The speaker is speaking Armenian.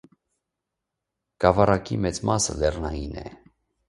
Գավառակի մեծ մասը լեռնային է։